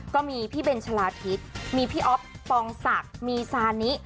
ก็มีพี่เบนชะลาทิศมีพี่อ๊อฟปองศักดิ์มีซานิ